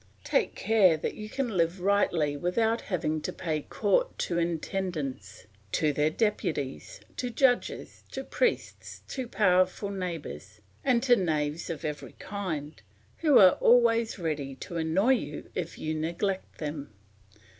Take care that you can live rightly without having to pay court to intendents, to their deputies, to judges, to priests, to powerful neighbours, and to knaves of every kind, who are always ready to annoy you if you neglect them.